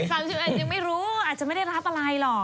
๓๑ยังไม่รู้อาจจะไม่ได้รับอะไรหรอก